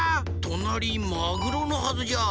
となりマグロのはずじゃ。